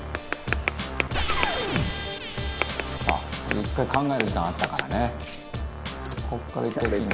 「１回考える時間あったからね」